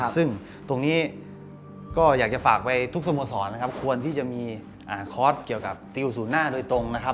ซึ่งตรงนี้ก็อยากจะฝากไว้ทุกสมสอนควรที่จะมีคอร์ตเกี่ยวกับติวสูญหน้าโดยตรง